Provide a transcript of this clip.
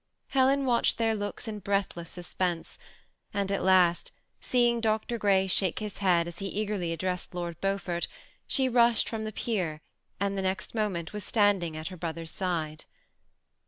Helen watched their THE SEan ATTACHBD COUPLE. 807 looks in breathless suspense, and at last seeing Dr. Grej shake his head as he eagerly addressed Lord Beaufort, she rushed from the pier, and the next moment was standing at her brother's side.